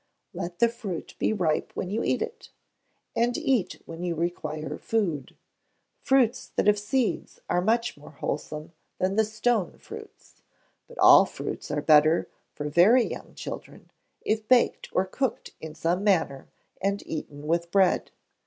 Let the fruit be ripe when you eat it; and eat when you require food. Fruits that have seeds are much more wholesome than the stone fruits. But all fruits are better, for very young children, if baked or cooked in some manner, and eaten with bread.